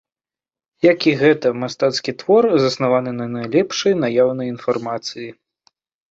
Як і гэта мастацкі твор, заснаваны на найлепшай наяўнай інфармацыі.